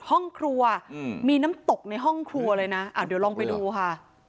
ห้องครัวมีน้ำตกในห้องครัวเลยนะเดี๋ยวลองไปดูค่ะ